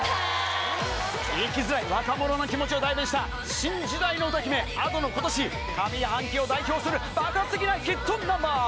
生きづらい若者の気持ちを代弁した、新時代の歌姫、Ａｄｏのことし上半期を代表する爆発的なヒットナンバー。